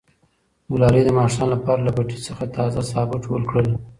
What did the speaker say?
ګلالۍ د ماښام لپاره له پټي څخه تازه سابه ټول کړل.